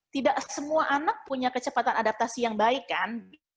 tidak semua anak punya kecepatan adaptasi yang baik kan